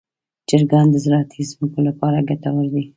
چرګان د زراعتي ځمکو لپاره ګټور دي.